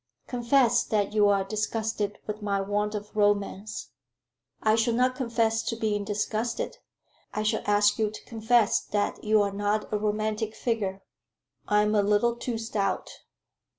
"Confess that you are disgusted with my want of romance." "I shall not confess to being disgusted. I shall ask you to confess that you are not a romantic figure." "I am a little too stout."